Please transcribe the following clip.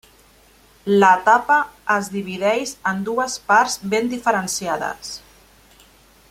L'etapa es divideix en dues parts ben diferenciades.